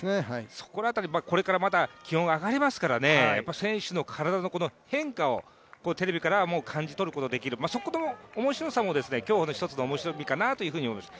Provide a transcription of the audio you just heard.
そこら辺り、これからまだ気温が上がりますからね選手の体の変化をテレビから感じ取ることができるそこの面白さも競歩の一つの面白みかなと思います。